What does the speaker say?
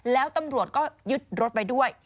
แล้วตำรวจก็ยึดรถไว้ด้วย